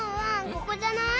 ここじゃない？